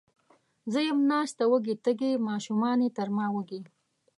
زه یم ناسته وږې، تږې، ماشومانې تر ما وږي